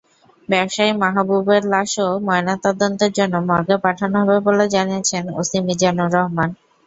ব্যবসায়ী মাহবুবের লাশও ময়নাতদন্তের জন্য মর্গে পাঠানো হবে বলে জানিয়েছেন ওসি মিজানুর রহমান।